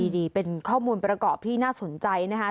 ดีเป็นข้อมูลประกอบที่น่าสนใจนะคะ